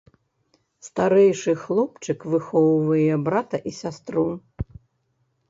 Старэйшы хлопчык выхоўвае брата і сястру.